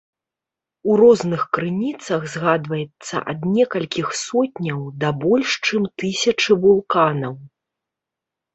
У розных крыніцах згадваецца ад некалькіх сотняў, да больш чым тысячы вулканаў.